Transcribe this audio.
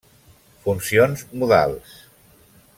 Funcions modals.